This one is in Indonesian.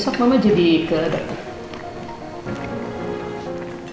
nanti ke dokter